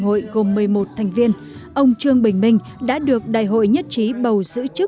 hội gồm một mươi một thành viên ông trương bình minh đã được đại hội nhất trí bầu giữ chức